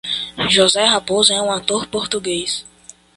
José Raposo é um ator português.